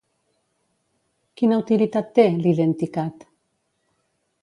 Quina utilitat té, l'IdentiCAT?